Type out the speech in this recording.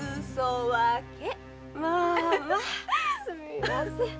まあまあすみません。